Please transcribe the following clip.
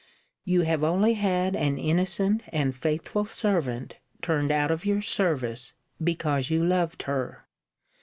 You have only had an innocent and faithful servant turned out of your service, because you loved her!